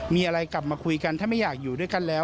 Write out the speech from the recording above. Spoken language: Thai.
มีอะไรกลับมาคุยกันถ้าไม่อยากอยู่ด้วยกันแล้ว